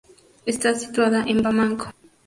Está situada en Bamako.